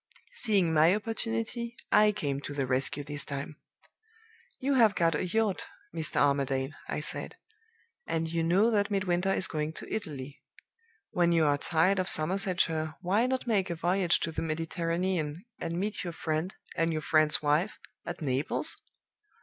"Seeing my opportunity, I came to the rescue this time. 'You have got a yacht, Mr. Armadale,' I said; 'and you know that Midwinter is going to Italy. When you are tired of Somersetshire, why not make a voyage to the Mediterranean, and meet your friend, and your friend's wife, at Naples?